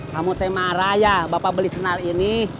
kamu saya marah ya bapak beli senal ini